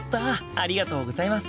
ありがとうございます。